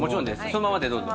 そのままでどうぞ。